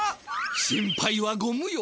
心配はごむ用。